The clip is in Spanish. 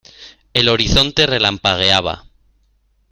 el horizonte relampagueaba.